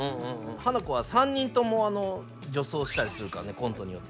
ハナコは３人とも女装したりするからねコントによって。